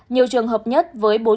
nhiều trường hợp nhất